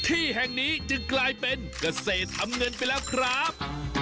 ที่แห่งนี้จึงกลายเป็นเกษตรทำเงินไปแล้วครับ